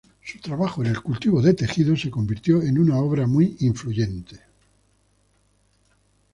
Su trabajo en el cultivo de tejidos se convirtió en una obra muy influyente.